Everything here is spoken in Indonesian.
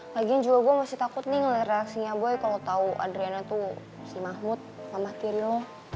lagian juga gue masih takut nih ngeliat reaksinya gue kalau tau adrena tuh si mahmud mamat kiri lo